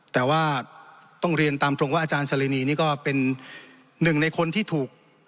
แต่ว่าต้องเรียนตามตรงว่าอาจารย์สรินีนี่ก็เป็นหนึ่งในคนที่ถูก